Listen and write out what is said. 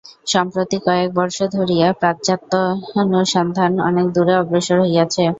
সম্প্রতি কয়েক বর্ষ ধরিয়া প্রাচ্যতত্ত্বানুসন্ধান অনেক দূর অগ্রসর হইয়াছে।